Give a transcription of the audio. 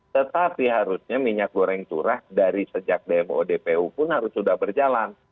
tetapi harusnya minyak goreng curah dari sejak dmo dpu pun harus sudah berjalan